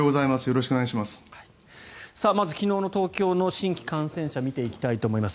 昨日の東京の新規感染者見ていきたいと思います。